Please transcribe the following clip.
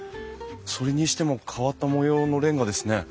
それにしても変わった模様のレンガですね。